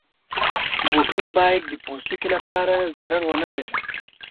بوټونه باید د پوستکي لپاره ضرر ونه لري.